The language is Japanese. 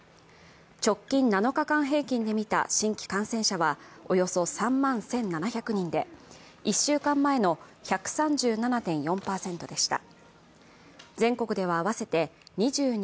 直近７日間平均で見た新規感染者はおよそ３万１７００人で、１週間前の１３７．４％でした。